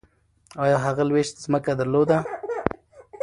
ایا هغه لویشت ځمکه درلوده؟